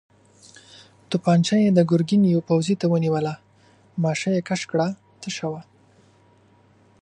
توپانجه يې د ګرګين يوه پوځي ته ونيوله، ماشه يې کش کړه، تشه وه.